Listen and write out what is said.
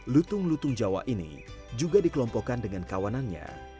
lutung lutung jawa ini juga dikelompokkan dengan kawanannya